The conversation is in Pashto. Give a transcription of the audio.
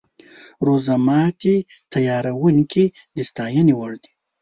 روژه ماتي تیاروونکي د ستاینې وړ دي.